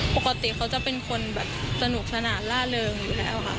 ปกติเขาจะเป็นคนแบบสนุกสนานล่าเริงอยู่แล้วค่ะ